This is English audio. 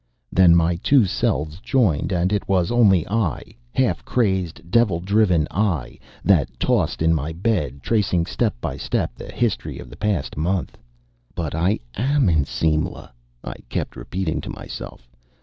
Then my two selves joined, and it was only I (half crazed, devil driven I) that tossed in my bed, tracing step by step the history of the past month. "But I am in Simla," I kept repeating to myself.